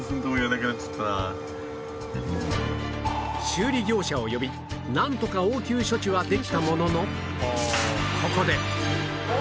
修理業者を呼びなんとか応急処置はできたものの